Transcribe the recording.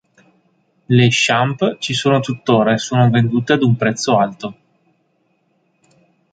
Le Champ ci sono tuttora, e sono vendute ad un prezzo alto.